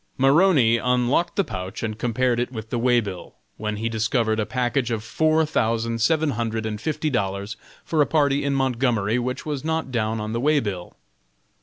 Maroney unlocked the pouch and compared it with the way bill, when he discovered a package of four thousand seven hundred and fifty dollars for a party in Montgomery which was not down on the way bill.